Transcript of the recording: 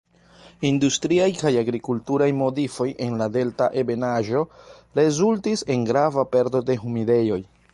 Industriaj kaj agrikulturaj modifoj en la delta ebenaĵo rezultis en grava perdo de humidejoj.